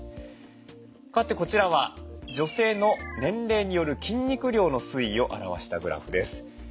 変わってこちらは女性の年齢による筋肉量の推移を表したグラフです。